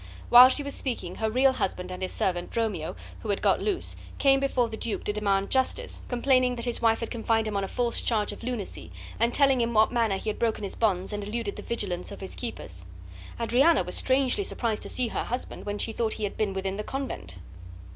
While she was speaking, her real husband and his servant, Dromio, who had got loose, came before the duke to demand justice, complaining that his wife had confined him on a false charge of lunacy, and telling in what manner he had broken his bands and eluded the vigilance of his keepers. Adriana was strangely surprised to see her husband when she thought he had been within the convent.